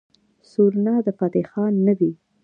سورنا د فتح خان نه وي.